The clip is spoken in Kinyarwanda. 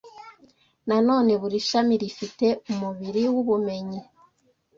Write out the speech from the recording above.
Na none buri shami rifite umubiri wubumenyi